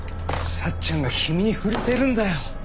幸ちゃんが君に触れてるんだよ。